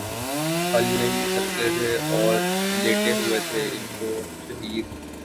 ہل نہیں سکتے تھے اور لیٹے ہوئے تھے انکو شہید